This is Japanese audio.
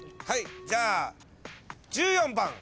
はいじゃあ１４番。